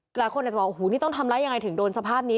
หลายคนอาจจะบอกโอ้โหนี่ต้องทำร้ายยังไงถึงโดนสภาพนี้